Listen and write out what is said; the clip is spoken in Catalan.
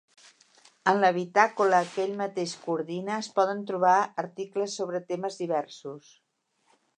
En la bitàcola que ell mateix coordina es poden trobar articles sobre temes diversos.